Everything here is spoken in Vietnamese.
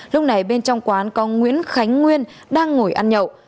lúc này bên trong quán có nguyễn khánh nguyên đang ngồi ăn nhậu